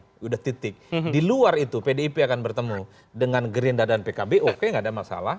sudah titik di luar itu pdip akan bertemu dengan gerindra dan pkb oke nggak ada masalah